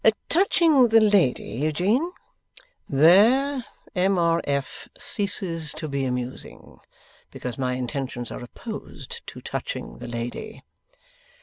'Touching the lady, Eugene.' 'There M. R. F. ceases to be amusing, because my intentions are opposed to touching the lady.